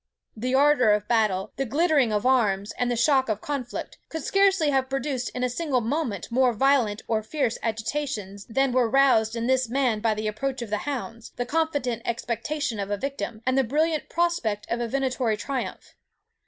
The ardour of battle, the glitter of arms, and the shock of conflict, could scarcely have produced in a single moment more violent or fierce agitations than were roused in this man by the approach of the hounds, the confident expectation of a victim, and the brilliant prospect of a venatory triumph.